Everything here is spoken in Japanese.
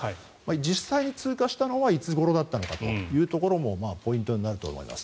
実際に通過したのはいつごろだったのかもポイントになると思います。